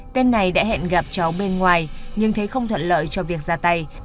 tên này đã hẹn gặp cháu bên ngoài nhưng thấy không thuận lợi cho việc ra tay